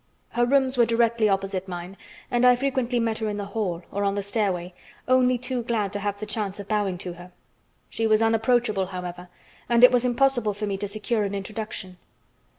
Her rooms were directly opposite mine, and I frequently met her in the hall or on the stairway, only too glad to have the chance of bowing to her. She was unapproachable, however, and it was impossible for me to secure an introduction.